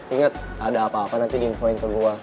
ingat ada apa apa nanti diinfoin ke gue